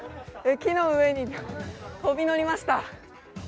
木の上に飛び乗りました。